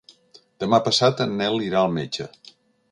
Demà passat en Nel irà al metge.